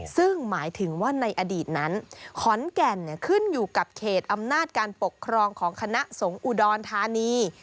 ซึ่งหมายถึงว่าในอดีตนั้นขอนแก่นขึ้นอยู่กับเขตอำนาจการปกครองของคณะสงฆ์อุดรธานี